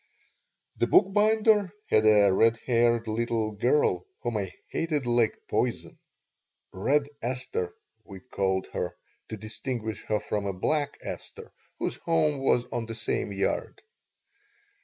The bookbinder had a red haired little girl whom I hated like poison. Red Esther we called her, to distinguish her from a Black Esther, whose home was on the same yard.